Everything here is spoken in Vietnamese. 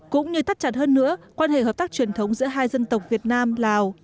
cũng như thắt chặt hơn nữa quan hệ hợp tác truyền thống giữa hai dân tộc việt nam lào